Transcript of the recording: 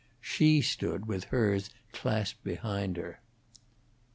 She stood with hers clasped behind her.